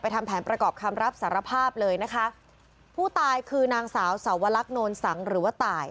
ทำแผนประกอบคำรับสารภาพเลยนะคะผู้ตายคือนางสาวสวรรคโนนสังหรือว่าตาย